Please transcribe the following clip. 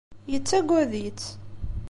Yettagad-itt.